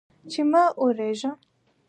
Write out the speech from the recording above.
چې مه اوریږه